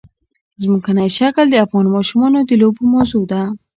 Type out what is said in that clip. ځمکنی شکل د افغان ماشومانو د لوبو موضوع ده.